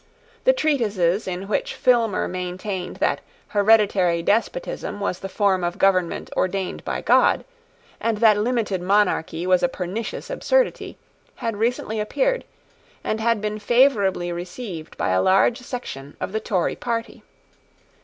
The treatises in which Filmer maintained that hereditary despotism was the form of government ordained by God, and that limited monarchy was a pernicious absurdity, had recently appeared, and had been favourably received by a large section of the Tory party.